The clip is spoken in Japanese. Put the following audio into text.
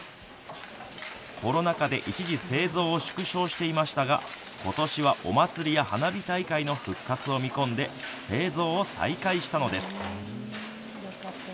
コロナ禍で一時、製造を縮小していましたがことしはお祭りや花火大会の復活を見込んで製造を再開したのです。